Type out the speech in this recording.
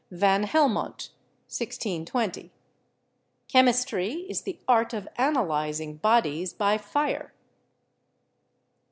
Van Helmont (1620 [?]). "Chemistry is the art of analyzing bodies by fire."